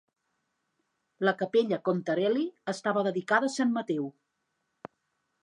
La Capella Contarelli estava dedicada a Sant Mateu.